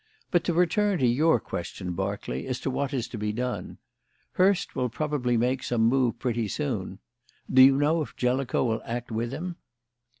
But to return to your question, Berkeley, as to what is to be done. Hurst will probably make some move pretty soon. Do you know if Jellicoe will act with him?"